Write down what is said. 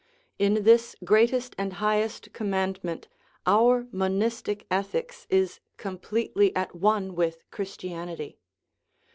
In this greatest and highest commandment our monistic ethics is com pletely at one with Christianity.